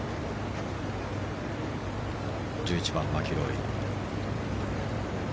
１１番、マキロイ。